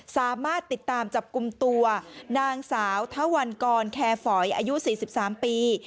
สามารถติดตามจับกลุ่มตัวนางสาวทวันกรแคร์ฝอยอายุ๔๓ปี